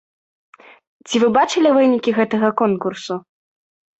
Ці вы бачылі вынікі гэтага конкурсу?